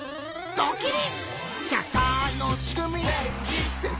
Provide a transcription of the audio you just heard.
ドキリ！